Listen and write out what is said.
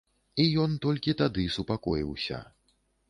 І ён толькі тады супакоіўся.